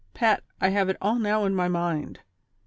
Pat, I have it all now in my mind.